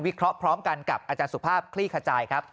วิเคราะห์พร้อมกันกับอสุภาพคลี่ขจายครับ